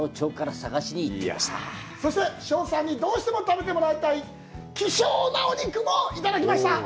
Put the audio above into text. そして、どうしても食べてもらいたい、希少なお肉もいただきました。